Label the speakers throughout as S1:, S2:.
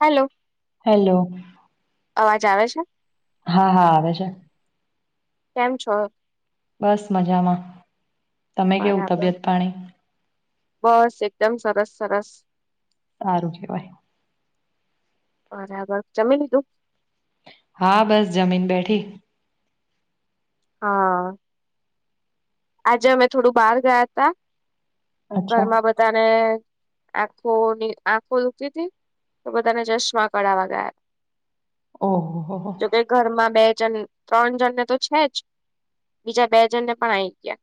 S1: Hello
S2: hello
S1: અવાજ આવે છે
S2: હા હા છે
S1: કેમ છો
S2: બસ મજામાં તમે કેવું
S1: બરાબર
S2: તબિયત પાણી
S1: બસ એકદમ સરસ સરસ
S2: સારું કેવાય
S1: બરાબર જમી લીધું
S2: હા બસ જમીન બેઠી
S1: હા આજે અમે થોડું બહાર ગયા હતા
S2: અચ્છા
S1: ઘરમાં બધાને આખોની આંખો દુકી હતી તો બધાને જશ્માં કઢાવા ગયા
S2: ઓહો હો હો
S1: જોકે ઘરમાં બે જ ત્રણ જણને તો છે જ બીજા બે જણને પણ આવી ગયા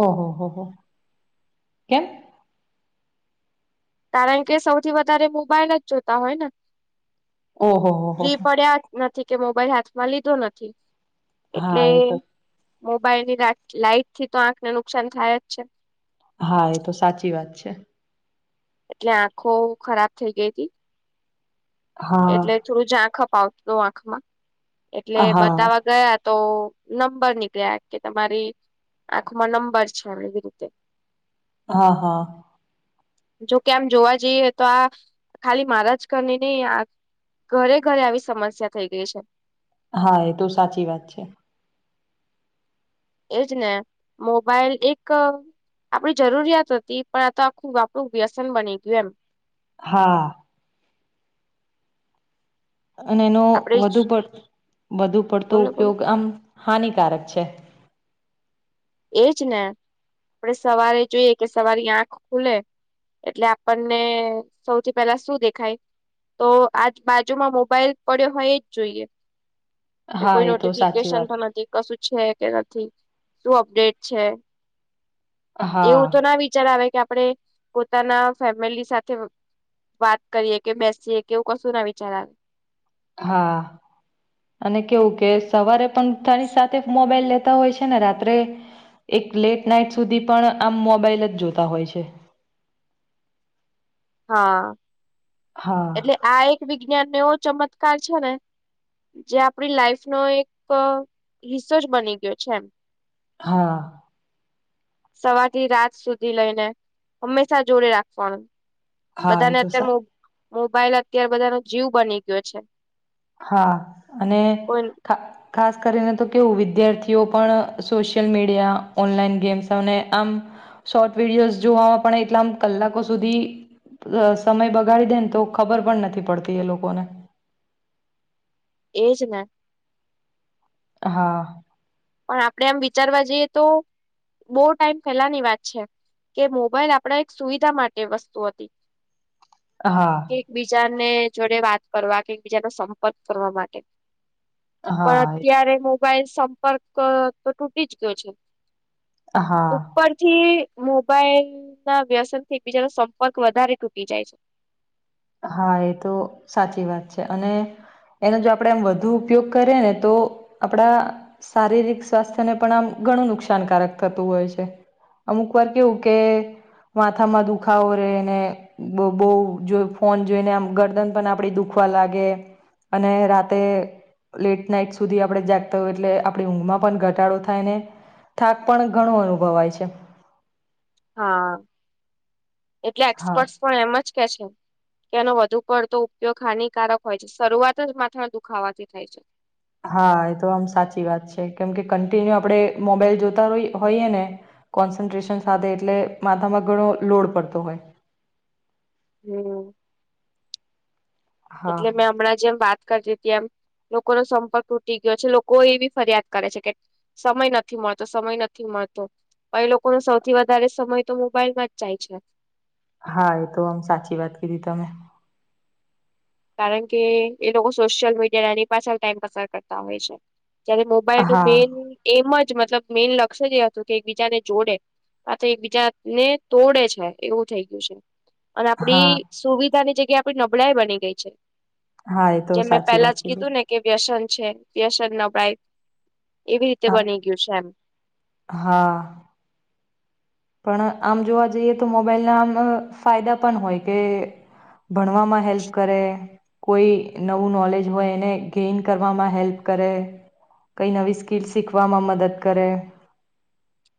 S2: ઓહ હોહ કેમ
S1: કારણ કે સૌથી વધારે મોબાઈલ જ જોતા હોય ને
S2: ઓહો હો હો
S1: ફ્રી પડ્યા નથી કે મોબાઈલ હાથમાં લીધો નથી
S2: હા એ તો
S1: મોબાઈલ ની રા લાઈટ થી તો આંખને નુકસાન થાય જ છે
S2: હા એ તો સાચી વાત છે
S1: એટલે આંખો ખરાબ થઈ ગઈ હતી
S2: હા
S1: એટલે થોડું જ આંખ અપાવતું આંખમાં એટલે
S2: હા
S1: બતાવા ગયા તો નંબર નીકળ્યા કે તમારી એખ આ નંબર છને બનતે
S2: હા હા
S1: જોકે આમ જોવા જઈએ તો આ ખાલી મારા જ કરીને નહી ઘરે ઘરે આવી સમસ્યા થઈ ગઈ છે
S2: હા એ તો સાચી વાત છે
S1: એજ ને મોબાઈલ એક આપણી જરૂરિયાત હતી પણ આ તો આખું આપણું વ્યસન બની ગયું એમ
S2: હા અને એનો
S1: આપડે
S2: વધુ પડ વધુ પડતો
S1: બોલો બોલો
S2: ઉપયોગ આમ હાનિકારક છે
S1: એજ ને આપણેે સવારે જોઈએ કે સવારી આંખ ખુલે એટલે આપણને સૌથી પેલા શું દેખાય તો આજ બાજુમાં મોબાઈલ પડ્યો હોય એ જ જોઈએ કે
S2: હા
S1: કોઈ
S2: એ તો સાચી
S1: નોટિફિકેશન
S2: વાત
S1: પણ નથી કશું છે કે નથી શું અપડેટ છે એવું તો
S2: હા
S1: ના વિચાર આવે કે આપણે પોતાના ફેમિલી સાથે વાત કરીએ કે બેસીએ કે એવું કશું ના વિચાર આવે
S2: હા અને કેવું કે સવારે પણ તની સાથે મોબાઈલ લે હોય છે ને રાત્રે એક લેટ નાઈટ સુધી પણ આમ મોબાઈલ જ જોતા હોય છે
S1: [inaudible] હા
S2: હા
S1: એટલે આ એક વિજ્ઞાનને એવો ચમત્કાર છે ને જે આપણી લાઈફનોો એક રિસોચ બની ગયો છે એમ
S2: હા
S1: સવારથી રાત સુધી લઈને હંમેશા જોડે રાખવાનું
S2: હા એ
S1: બધાને
S2: તો
S1: અત્યારે
S2: સા
S1: મો મોબાઈલ અત્યારે બધાનો જીવ બની ગયો છે
S2: હા અને
S1: કોઈ
S2: ખા ખાસ કરીને તો કેવું વિદ્યાર્થીઓ પણ સોશિયલ મીડિયા ઓનલાઈન ગેમ્સ અને આમ શોર્ટ વિડિયોસ જોવામાં પણ એટલામ કલાકો સુધી સમય બગાડી દે ને તો ખબર પણ નથી પડતી એ લોકોને
S1: એજ ને
S2: હા
S1: પણ આપડે આમ વિચારવા જઈએ તો બહ ટાઈમ ફેલાની વાત છે કે મોબાઈલ આપણા એક સુવિધા માટે વસ્તુ હતી
S2: હા
S1: એકબીજાને જોડે વાત કરવા કે એકબીજાનો સંપર્ક કરવા માટે પણ
S2: હા
S1: અત્યારે મોબાઈલ સંપર્ક તો તૂટી જ ગયો છે
S2: હા
S1: ઉપરથી મોબાઈલ ના વ્યસન થી બીજાનો સંપર્ક વધારે તૂટી જાય છે
S2: હા એ તો સાચી વાત છે અને એનો જો આપણે આમ વધુ ઉપયોગ કરીએ ને તો આપડા શારીરિક સ્વાસ્થ્યને પણ આમ ઘણું નુકસાનકારક થતું હોય છે અમુક વાર કેવું કે માથામાં દુખાવો રેને બહ જો ફોન જોઈને આમ ગરદન પણ આપડી દુખવા લાગે અને રાતે લેટ નાઈટ સુધી આપણે જાગતા હોય એટલે આપણી ઊંઘમાં પણ ઘટાડો થાય ને થાક પણ ઘણું અનુભવાય છે
S1: હા એટલે
S2: હા
S1: એક્સપર્ટસ પણ એમ જ કે છે તેનો વધુ પડતો ઉપયોગ હાનિકારક હોય છે શરૂઆત જ માથા દુખાવાથી થાય છે
S2: હા એ તો આમ સાચી વાત છે કેમકે કન્ટિન્યુ આપણે મોબાઈલ જોતા હોઈએ ને કોન્સન્ટ્રેશન સાથે એટલે માથામાં ઘણો લોડ પડતો હોય
S1: હમ
S2: હા,
S1: એટલે મેં હમણાં જેમ વાત કરતી હતી એમ લોકો નો સંપર્ક તૂટી ગયો છે લોકો એ બી ફરિયાદ કરે છે કે સમય નથી મળતો સમય નથી મળતો એ લોકોનો સૌથી વધારે સમય તો મોબાઈલમાં જ જાય છે
S2: હા એ તો આમ સાચી વાત કીધી તમે
S1: કારણ કે એ લોકો સોશિયલ મીડિયા એની પાછળ ટાઈમ કસર કરતા હોય છે ત્યારે મોબાઈલ ન
S2: હા,
S1: મેન એમ જ મતલબ મેન લક્ષ્ય જ એ હતું કે એકબીજાને જોડે આ તો એક બીજા ને તોડે છે એવું થઇ ગયું છે અને
S2: હા,
S1: આપડી સુવિધાની જગ્યા આપડી નબળાાઈ બની ગઈ છે
S2: હા એ તો
S1: જે મેં
S2: સાચી
S1: પહેલા
S2: વાત
S1: જ
S2: કીધી.
S1: કીધું ને કે વ્યસન છે વ્યસન ન પ્રઇપ એવી રીતે
S2: હા,
S1: બની ગયું છે એમ
S2: હા. પણ આમ જોવા જઈએ તો મોબાઈલના આમ ફાયદા પણ હોય કે ભણવામાં હેલ્પ કરે કોઈ નવું નોલેજ હોય એને ગેઈન કરવામાં હેલ્પ કરે કઈ નવી સ્કીલ શીખવામાં મદદ કરે
S1: [unintelligible]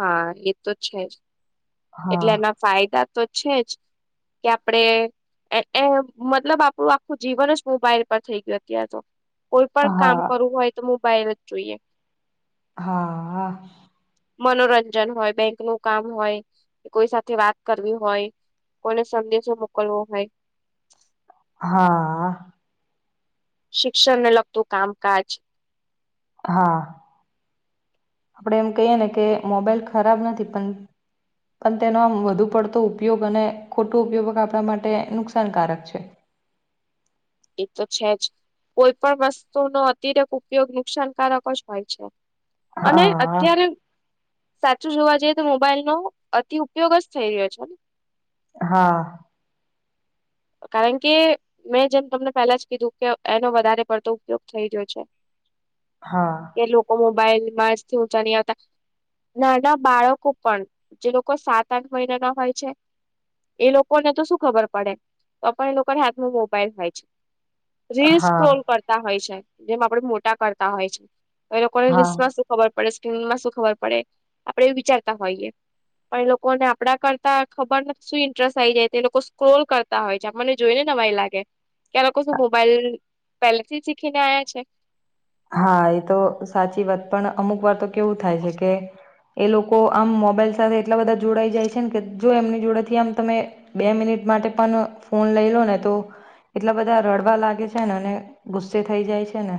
S1: હા એ તો છે જ એટલે
S2: હા,
S1: એના ફાયદા તો છે જ કે આપડે એ મતલબ આપણું આખું જીવન જ મોબાઈલ પર થઈ ગયું અત્યારે તો કોઈ પણ કામ
S2: હા.
S1: કરવું હોય તો મોબાઈલ જ જોઈએ
S2: હા
S1: મનોરંજન હોય બેંક નું કામ હોય કોઈ સાથે વાત કરવી હોય કોને સંદેશો મોકલવો હોય
S2: હા
S1: શિક્ષણને લગતું કામકાજ
S2: હા આપણેે એમ કહીએ ને કે મોબાઈલ ખરાબ નથી પણ પણ તેનો આમ વધુ પડતો ઉપયોગ અને ખોટો ઉપયોગ આપણા માટે નુકસાનકારક છે
S1: [unintelligible] એ તો છે જ કોઈ પણ વસ્તુનો આર્થિક ઉપયોગ નુકસાનકારક જ હોય છે અને
S2: હા
S1: અત્યારે શું જોવા જઈએ તો મોબાઈલ નો અતિ ઉપયોગ જ થઈ રહ્યો છેને
S2: હા
S1: કારણ કે મેં જેમ તમને પેલા જ કીધું કે એનો વધારે પડતો ઉપયોગ થઈ ગયો છે
S2: હા
S1: કે લોકો મોબાઈલ માથી ઊંચા ન આવતા નાના બાળકો પણ જે લોકો સાત આઠ મહિના ના હોય છે એ લોકો ને તો શું ખબર પડે તો પણ એ લોકોને હાથમાં મોબાઈલ હોય છે રીલસ
S2: હા
S1: ટ્રોલ કરતા હોય છે જેમ આપડે મોટા કરતા હોય છે એ લોકોને‌
S2: હા
S1: રિલસમાં શું ખબર સ્ક્રીનમાં શું ખબર પડે આપડે એ વિચારતા હોઈએ પણ એ લોકો ને આપડા કરતા ખબર શું ઇન્ટરેસ્ટ આ આવી જાય લોકો સ્ક્રોલ કરતા તા હોય છે મને જોઈ નેય લાગે ત્યાં લોકો શું મોબાઈલ પેલેથી શીખીને આવ્યા છે
S2: હા એ તો સાચી વાત પણ અમુક વાર તો કેવું થાય છે કે એ લોકો આમ મોબાઈલ સાથે એટલા બધા જોડાઈ જાય છે ને કે જો એમની જોડેથી આમ તમે બે મિનિટ માટે પણ ફોન લઈ લો ને તો એટલા બધા રડવા લાગે છે ને અને ગુસ્સે થઈ જાય છે ને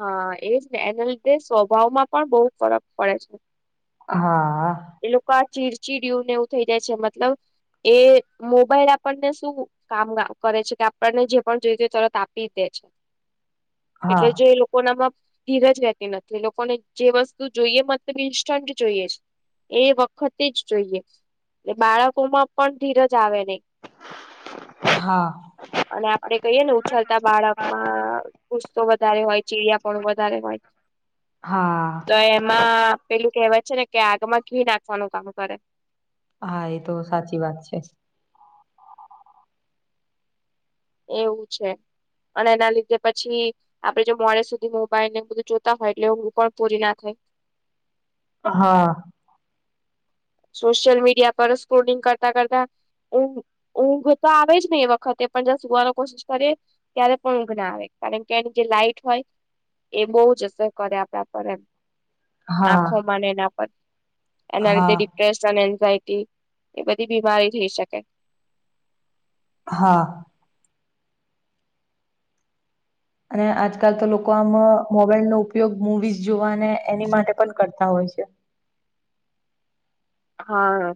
S1: હા એજ ને એના લીધે સ્વભાવમાં પણ બહુ ફરક પડે છે
S2: હા
S1: એ લોકો આ ચીરચીડું ને એવું થઈ જાય છે મતલબ એ મોબાઈલ આપણને શું કામ કરે છે કે આપણને જે પણ જોઈ તરત આપી દે છે
S2: હા
S1: એટલે જે એ લોકો નામાં ધીરજ રહેતી નથી લોકોને જે વસ્તુ જોઈએ મતલબ ઇન્સ્ટન્ટ જોઈએ જ એ વખતે જ જોઈએ એ બાળકોમાં પણ ધીરજ જાવેદે
S2: હા
S1: અને આપડે કહીએ ને ઉછળતા બાળકમાં પુસ્તો વધારે હોય ચીડિયાપ વધારે હોય
S2: હા
S1: તો એમાં પેલું કેવાય છે ને કે આગમાં ઘી નાખવાનું કામ કરે
S2: હા એ તો સાચી વાત છે
S1: એવું છે અને એના લીધે પછી આપડે જો મોડ સુધી મોબાઈલ ને બધું જોતા હોય એટલે ઊંઘ પણ પૂરી ના થાય [unintelligible]
S2: હા
S1: સોશિયલ મીડિયા પર સ્ક્રોલિંગ કરતા કરતા ઊંઘ ઊંઘ તો આવે જ ને એ વખતે પણ જારે સુવાનો કોશિશ કરીએ ત્યારે પણ ઊંઘ ના આવે કારણ કે એની જે લાાઈટ હોય એ બહ જ અસર કરે આપડે આપડ એમ
S2: હા
S1: આખોમાંને એના પર એના
S2: હા
S1: લીધે ડિપ્રેશન એન્ઝાયટી એ બધી બીમારી થઈ શકે
S2: હા અને આજકાલ તો લોકો આમ મોબાઈલ નો ઉપયોગ મુવીઝ જોવાને એની માટે પણ કરતા હોય છે
S1: હા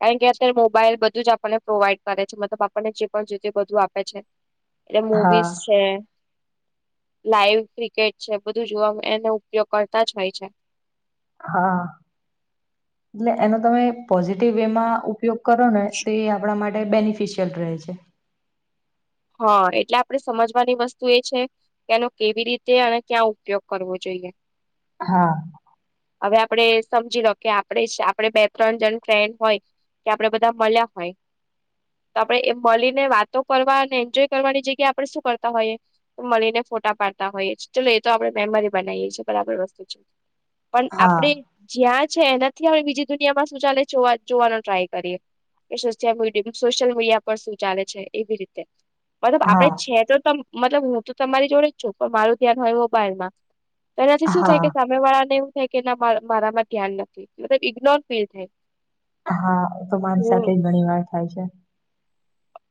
S1: કારણ કે અત્યારે મોબાઈલ બધું જ આપણને પ્રોવાઈડ કરે છે મતલબ આપણને જે પણ જો બધું આપે છે એટલે
S2: હા
S1: મવીઝ છે લાાઈવ ક્રિકેટ છે બધું જોવાવામાં એનો ઉપયોગ કરતા જ હોય છે
S2: હા એટલે એનો તમે પોઝિટિવ વે માં ઉપયોગ કરો ને તે આપણા માટે બેનિફિશિયલ રહે છે
S1: હા એટલે આપડે સમજવાની વસ્તુ એ છે કે એનો કેવી રીતે અને ક્યાં ઉપયોગ કરવો જોઈએ [unintelligible]
S2: હા
S1: હવે આપણે સમજી લો કે આપણે આપણે બે ત્રણ જણ ફ્રેન્ડ હોય કે આપણેે બધા મળ્યા હોય તો આપણેે એ મળીને વાતો કરવા એન્જોય કરવાની જગ્યા આપણે શું કરતા હોયએ તો મળીને ફોટા પાડતા હોઈય ચાલલો એ તો આપડે મેમરી બને પણ
S2: હા
S1: આપણે જ્યા છે એનાથી આપ બીજી દુનિયામાં શું ચાલે જો જોવાનો ટ્રાય કરીએ. એ સોશયલ મ સોશિયલ મીડિયા પર શું ચાલે છે એવી રીતે મતલબ આપડે
S2: હા
S1: છે તો મતલબ હું તો તમારી જોડે જ છું પણ મારું ધ્યાન હોય મોબાઈલમાં તો એનાથી શું
S2: હા
S1: થાય કે સામે વાળાને એવું થાય કે મારામાં ધ્યાન નથી ઇગ્નોર ફીલ થાય
S2: હા તો મારી
S1: હું
S2: સાથે જ ઘણી વાર થાય છે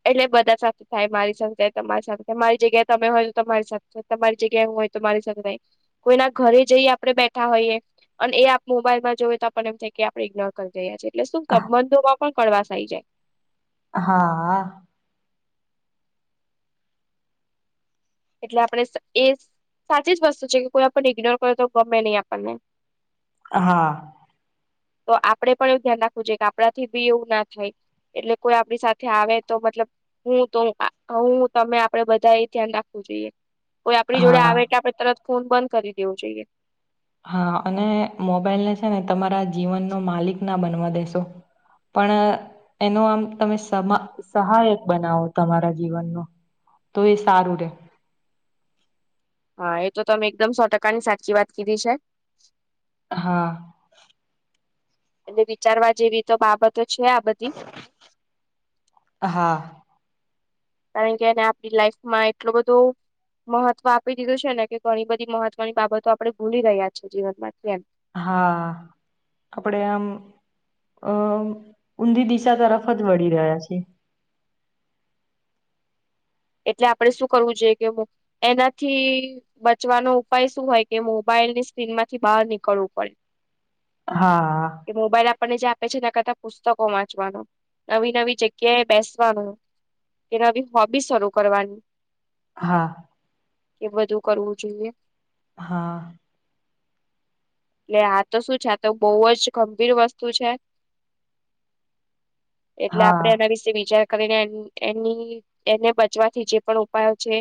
S1: એટલે બધા સાથે થાય મારી સાથે તમારી સાથે મારી જગ્યા તમે હોય તો તમારી સાથે તમારી જગ્યા એું હોય મારી સાથે નહી કોઈના ઘરે જઈ આપણે બેઠા હોઈએ અને એ આપ મોબાઈલમાં જોઈએ તો આપને એમ થ કે આપણે ઇગ્નોર કરી રહ્યા છીએ એટલે શું સંબંધોમાં પણ કળવાસ આવી જાય
S2: હા
S1: એટલે આપણે એ સાચી જ વસ્તુ છે કે કોઈ આપણને ઇગ્નોર કરે તો ગમે નહીં આપણને
S2: હા
S1: તો આપડે પણ એવું ધ્યાન રાખવું જોઈએ કે આપડા થી બી એવું ના થાય એટલે કોઈ આપણી સાથે આવે તો મતલબ હું તો હું તમે આપડે બધા એ ધ્યા રાખ કોઈ આપણી જોડે
S2: હા
S1: આવે તો આપણે તરત ફોન બંધ કરી દેવો જોઈએ
S2: હા અને મોબાઈલને છે ને તમારા જીવનનો માલિક ના બનવા દેેશો પણ એનો આમ તમે સ સહાયક બનાવો તમારા જીવનનો તો એ સારું રે
S1: હા એ તો ત અમે એકદમ સો ટકાની સાચી વાત કીધી છે
S2: હા
S1: એટલે વિચારવા જેવી તો બાબત તો છે આ બધી
S2: હા
S1: કારણ કે એ આપડી લાઈફમાં એટલું બધું મહત્વ આપી દીધું છે ને કે ઘણી બધી મહત્વની બાબતો આપડણે ભૂલી રહ્યા છીએ જીવનમાંથી એમ
S2: હા આપડે આમ અમ ઊંધી દિશા તરફ જ વળી રહ્યા છે
S1: એટલે આપડે શું કરવું જોઈએ કે એનાથી બચવાનો ઉપાય શું હોય કે મોબાઈલ ની સ્ક્રી માંથી બહાર નીકળવું પડે.
S2: હા
S1: કે મોબાઈલ આપણને જે આપે છે એ કરતા પુસ્તકો વાંચવાનું નવી નવી જગ્યાએ બેસવાનું. કે નવી હોબી શરૂ કરવાની.
S2: હા
S1: કે બધું કરવું જોઈએ
S2: હા
S1: એટલે આ તો શું છે આ તો બહુ જ ગંભીર વસ્તુ છે એટલે
S2: હા
S1: આપડે એના વિશે બીજા કરીને એની એને બચવાથી જે પણ ઉપાયો છે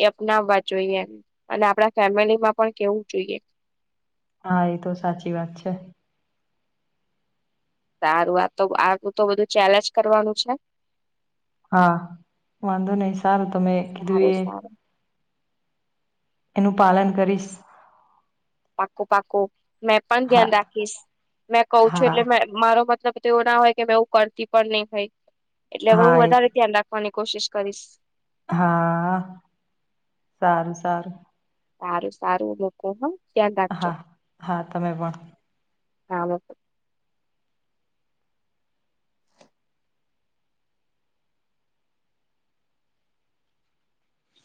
S1: એ અપનાવવા જોઈએ અને આપણા ફેમિલીમાં પણ કેવું જોઈએ
S2: હા એ તો સાચી વાત છે
S1: સારું આ તો આું તો બધું ચેલેજ કરવાનું છે
S2: હા વાંધો નહી સારું તમે
S1: સારું
S2: કીધું એ
S1: સારું
S2: એનું પાલન કરીશ
S1: પાકોું પાકો મેં પણ
S2: હા
S1: ધ્યાન રાખીશ મેં કઉ છું
S2: હા
S1: એટલે મે મારો મલબ એવું ના હોય કે એવું કરતી પણ નહી હોય એટલે હવે હ
S2: હા એ
S1: વધારે ધ્યાન રાખવાની કોશિશ કરીશ
S2: હા સારું સારું
S1: સારું સારું લોકોમાં ધ્યાન રાખજો
S2: હા હા તમે પણ
S1: હા